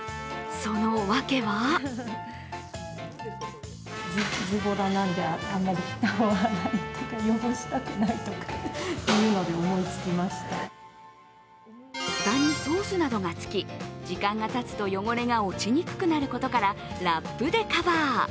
そのわけは蓋にソースなどがつき時間がたつと汚れが落ちにくくなることからラップでカバー。